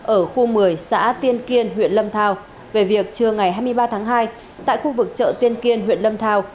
ở khu một mươi xã tiên kiên huyện lâm thao về việc trưa ngày hai mươi ba tháng hai tại khu vực chợ tiên kiên huyện lâm thao